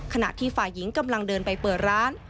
ขณะที่ฝ่ายหญิงกำลังเดินไปเปิดร้าน